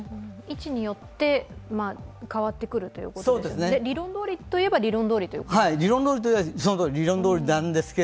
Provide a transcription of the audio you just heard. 位置によって変わってくるということですね、理論どおりといえば理論どおりですか？